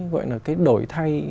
gọi là cái đổi thay